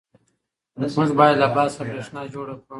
موږ باید له باد څخه برېښنا جوړه کړو.